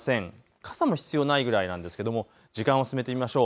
傘も必要ないぐらいなんですけれども時間を進めてみましょう。